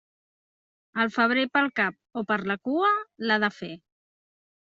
El febrer pel cap o per la cua l'ha de fer.